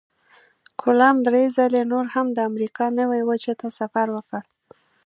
کولمب درې ځلې نور هم د امریکا نوي وچې ته سفر وکړ.